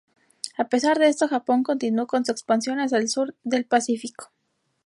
A pesar de esto, Japón continuó con su expansión hacia el sur del Pacífico.